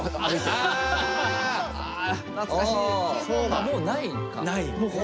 あもうないんか。